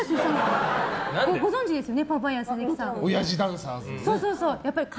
ご存じですよね。